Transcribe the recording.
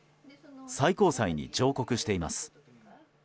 最高裁に上告しています。